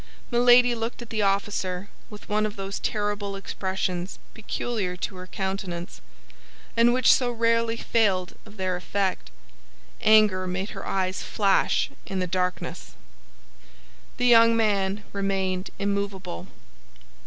Milady looked at the officer with one of those terrible expressions peculiar to her countenance, and which so rarely failed of their effect; anger made her eyes flash in the darkness. The young man remained immovable.